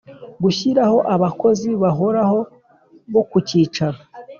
Gushyiraho abakozi bahoraho bo ku cyicaro